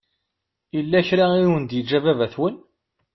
Yella kra i awen-d-yeǧǧa baba-twen?